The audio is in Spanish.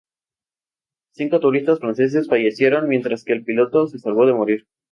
Cinco turistas franceses fallecieron, mientras que el piloto se salvó de morir.